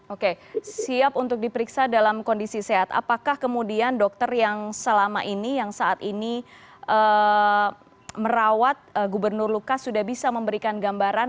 oke siap untuk diperiksa dalam kondisi sehat apakah kemudian dokter yang selama ini yang saat ini merawat gubernur lukas sudah bisa memberikan gambaran